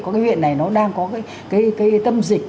có cái huyện này nó đang có cái tâm dịch